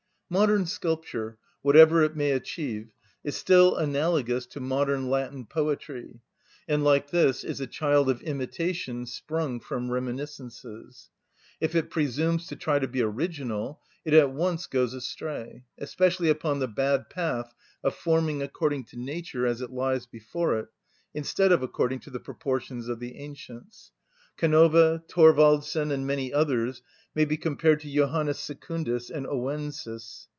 Modern sculpture, whatever it may achieve, is still analogous to modern Latin poetry, and, like this, is a child of imitation, sprung from reminiscences. If it presumes to try to be original, it at once goes astray, especially upon the bad path of forming according to nature as it lies before it, instead of according to the proportions of the ancients. Canova, Thorwaldsen, and many others may be compared to Johannes Secundus and Owenus.